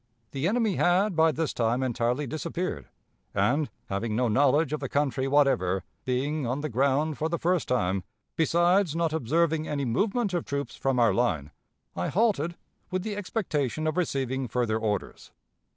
The enemy had by this time entirely disappeared, and, having no knowledge of the country whatever, being on the ground for the first time, besides not observing any movement of troops from our line, I halted, with the expectation of receiving further orders.